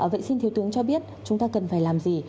vậy xin thiếu tướng cho biết chúng ta cần phải làm gì